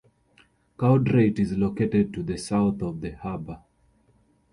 Cowdrait is located to the south of the harbour.